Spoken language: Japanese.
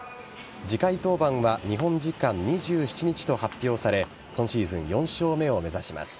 次回登板は日本時間２７日と発表され今シーズン４勝目を目指します。